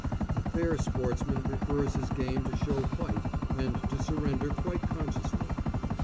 A fair sportsman prefers his game to show fight and to surrender quite consciously.